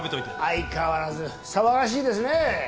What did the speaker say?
相変わらず騒がしいですね。